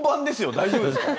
大丈夫ですか？